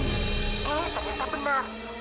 eh ternyata benar